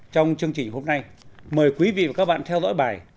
trong chương trình hôm nay mời quý vị và các bạn theo dõi bài